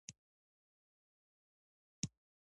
تر سینده پر کمزوري سړک باندې ولاړم چې ډېر خراب و.